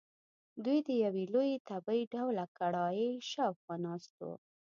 دوی د یوې لویې تبۍ ډوله کړایۍ شاخوا ناست وو.